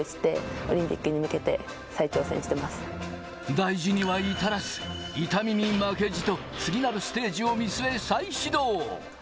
大事には至らず、痛みに負けじと、次なるステージを見据え再始動。